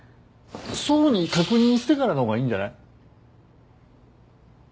想に確認してからの方がいいんじゃない？